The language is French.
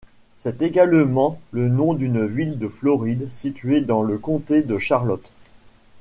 C'est également le nom d'une ville de Floride située dans le comté de Charlotte.